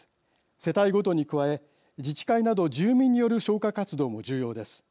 世帯ごとに加え自治会など住民による消火活動も重要です。